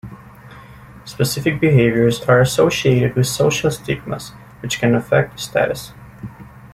Specific behaviors are associated with social stigmas, which can affect status.